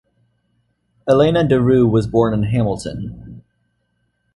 Elena de Roo was born in Hamilton.